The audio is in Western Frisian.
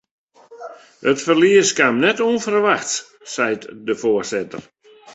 It ferlies kaam net ûnferwachts, seit de foarsitter.